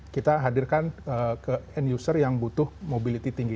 kita hadirkan ke end user yang butuh mobility tinggi